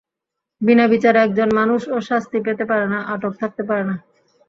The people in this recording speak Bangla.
বিনা বিচারে একজন মানুষও শাস্তি পেতে পারে না, আটক থাকতে পারে না।